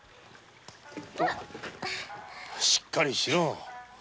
しっかりしろ！